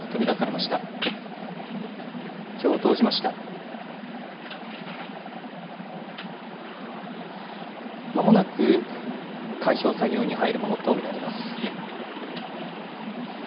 まもなく開票作業に入るものと見られます。